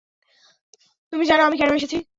তুমি জানো আমি কেন এসেছি।